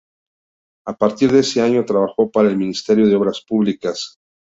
A partir de ese año trabajó para el Ministerio de Obras Públicas.